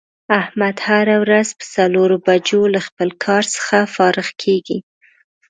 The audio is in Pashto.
احمد هره روځ په څلور بجو له خپل کار څخه فارغ کېږي.